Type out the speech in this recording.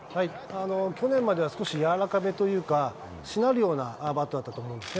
去年までは少しやわらかめというか、しなるようなバットだったと思うんですね。